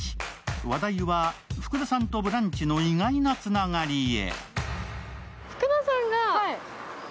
話題は福田さんと「ブランチ」の意外なつながりへ。